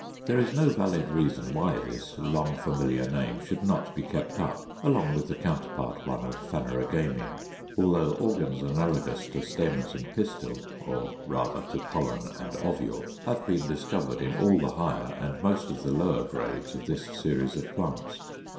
There is no valid reason why this long familiar name should not be kept up, along with the counterpart one of Phanerogamia (6), although organs analogous to stamens and pistil, or rather to pollen and ovule, have been discovered in all the higher and most of the lower grades of this series of plants.